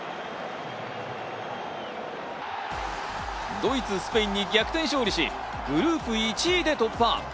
ドイツ、スペインに逆転勝利し、グループ１位で突破。